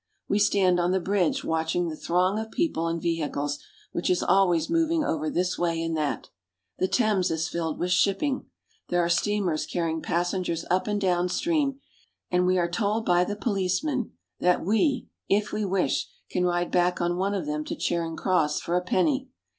We stand on the bridge watch ing the throng of people and vehicles which is always moving over this way and that. The Thames is filled with shipping. There are steamers carrying passengers up and down stream, and we are told by the policemen that we, if we wish, can ride back on one of them to Charing Cross for a penny.